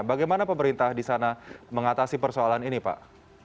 bagaimana pemerintah di sana mengatasi persoalan ini pak